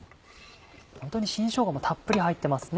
ホントに新しょうがもたっぷり入ってますね。